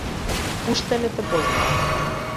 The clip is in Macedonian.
Уште не те познава.